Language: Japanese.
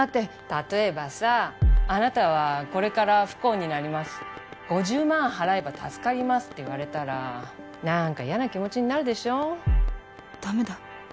例えばさ「あなたはこれから不幸になります。５０万払えば助かります」って言われたらなんかやな気持ちになるでしょ？